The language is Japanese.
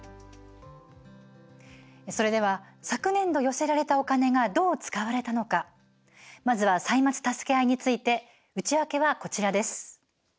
それでは昨年度、寄せられたお金がどう使われたのかまずは「歳末たすけあい」について、内訳はこちらです。